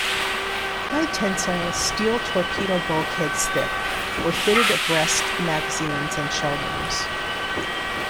High-tensile steel torpedo bulkheads thick were fitted abreast the magazines and shell rooms.